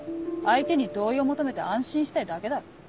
相手に同意を求めて安心したいだけだろ。